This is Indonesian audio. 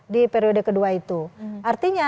di periode kedua itu artinya